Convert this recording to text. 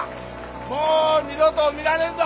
もう二度と見られんぞ！